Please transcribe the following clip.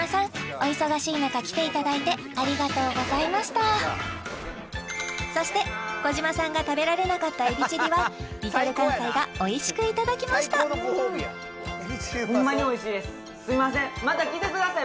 お忙しい中来ていただいてありがとうございましたそして児嶋さんが食べられなかったエビチリはＬｉｌかんさいがおいしくいただきましたホンマにおいしいですすみませんまた来てください